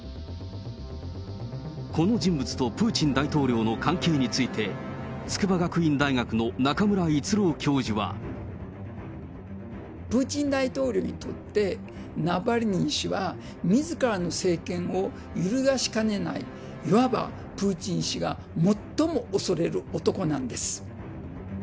この人物とプーチン大統領との関係について、プーチン大統領にとって、ナワリヌイ氏は、みずからの政権を揺るがしかねない、いわばプーチン氏が最も恐れる男なんです。